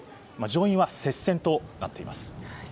上院は接戦となっています。